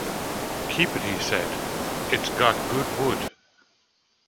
Keep it he said "It's got good wood".